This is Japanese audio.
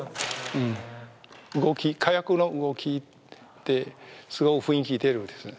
火薬の動きですごい雰囲気出るんです。